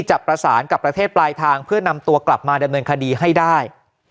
จะประสานกับประเทศปลายทางเพื่อนำตัวกลับมาดำเนินคดีให้ได้